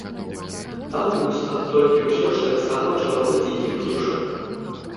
Там пуста, толькі ўсё ж таксама чароды дзікіх птушак.